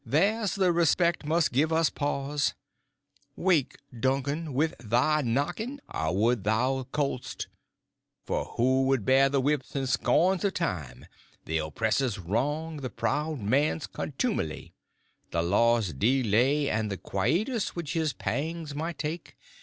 There's the respect must give us pause: Wake Duncan with thy knocking! I would thou couldst; For who would bear the whips and scorns of time, The oppressor's wrong, the proud man's contumely, The law's delay, and the quietus which his pangs might take.